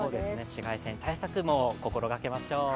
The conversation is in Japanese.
紫外線対策も心がけましょう。